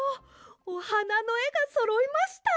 おはなのえがそろいました！